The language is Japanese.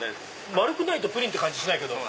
丸くないとプリンって感じしないけど。